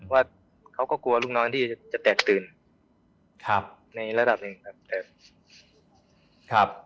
ว่าเขาก็กลัวลูกน้อยที่จะแตกตื่นในระดับหนึ่งครับ